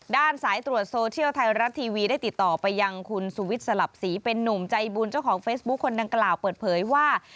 สายตรวจโซเชียลไทยรัฐทีวีได้ติดต่อไปยังคุณสุวิทย์สลับศรีเป็นนุ่มใจบุญเจ้าของเฟซบุ๊คคนดังกล่าวเปิดเผยว่า